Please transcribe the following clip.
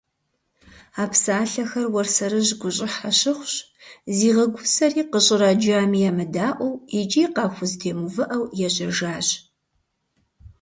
А псалъэхэр Уэрсэрыжь гущӀыхьэ щыхъущ, зигъэгусэри, къыщӀраджами емыдаӀуэу икӀи къахузэтемыувыӀэу, ежьэжащ.